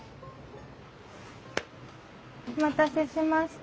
お待たせしました。